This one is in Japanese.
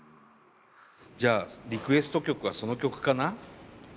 じゃあリクエスト曲はその曲かな？